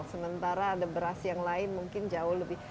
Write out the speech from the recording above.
sementara ada beras yang lain mungkin jauh lebih